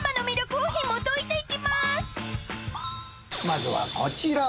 まずはこちら！